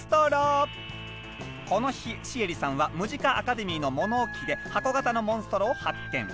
この日シエリさんはムジカ・アカデミーの物置で箱型のモンストロを発見。